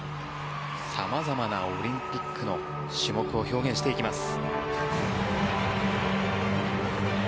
さまざまなオリンピックの種目を表現していきます。